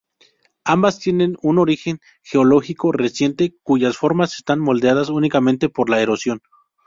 Ambas tienen un origen geológico reciente cuyas formas están modeladas únicamente por la erosión.